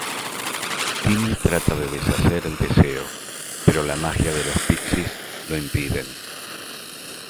Timmy trata de deshacer el deseo, pero la magia de los Pixies lo impiden.